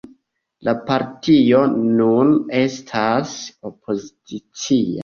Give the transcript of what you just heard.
La partio nun estas opozicia.